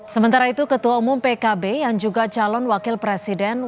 sementara itu ketua umum pkb yang juga calon wakil presiden